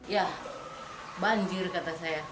ya banjir kata saya